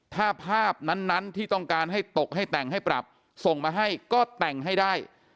ถ้าภาพนั้นที่ต้องการให้ตกให้แต่งให้ปรับส่งมาให้ก็แต่งให้ได้